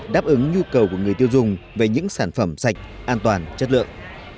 đáp ứng nhu cầu của người tiêu dùng về những sản phẩm sạch an toàn chất lượng